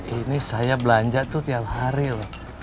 ini saya belanja tuh tiap hari loh